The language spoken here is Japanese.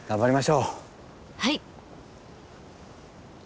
はい！